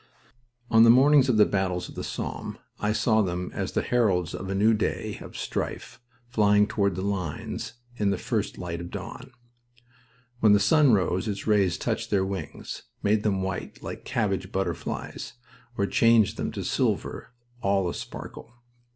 On the mornings of the battles of the Somme I saw them as the heralds of a new day of strife flying toward the lines in the first light of dawn. When the sun rose its rays touched their wings, made them white like cabbage butterflies, or changed them to silver, all a sparkle.